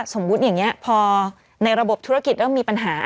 สมมุติอย่างนี้พอในระบบธุรกิจเริ่มมีปัญหา